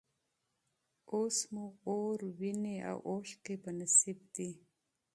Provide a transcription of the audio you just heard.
اوس مو اور، ویني او اوښکي په نصیب دي